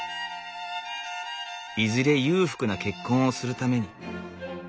「いずれ裕福な結婚をするために」。